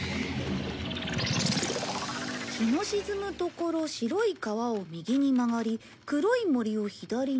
「日のしずむ所白い川を右にまがり黒い森を左に」